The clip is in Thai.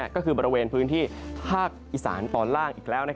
ก็คือบริเวณพื้นที่ภาคอีสานตอนล่างอีกแล้ว